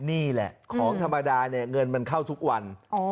นี่แหละของธรรมดาเนี่ยเงินมันเข้าทุกวัน